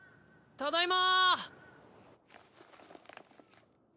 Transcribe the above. ただいま。